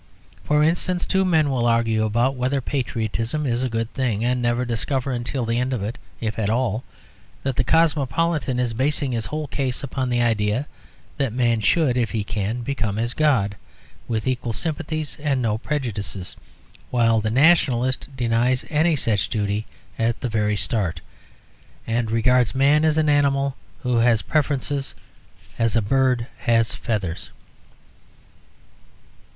For instance, two men will argue about whether patriotism is a good thing and never discover until the end, if at all, that the cosmopolitan is basing his whole case upon the idea that man should, if he can, become as God, with equal sympathies and no prejudices, while the nationalist denies any such duty at the very start, and regards man as an animal who has preferences, as a bird has feathers.